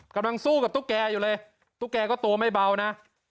กำลังสู้กับตุ๊กแกอยู่เลยตุ๊กแกก็ตัวไม่เบานะ